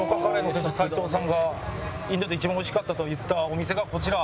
インドで一番美味しかったと言ったお店がこちら。